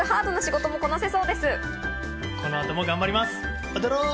この後も頑張ります。